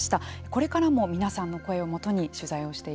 これからも皆さんの声をもとに取材をしていきます。